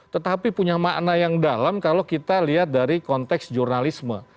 tetapi punya makna yang dalam kalau kita lihat dari konteks jurnalisme